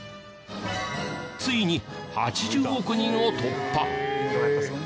ついに８０億人を突破。